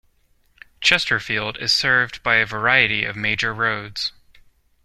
Chesterfield is served by a variety of major roads.